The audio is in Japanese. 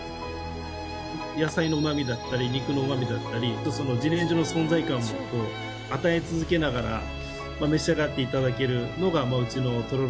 野菜のうまみだったり肉のうまみだったりその自然薯の存在感を与え続けながら召し上がっていただけるのがうちのとろろ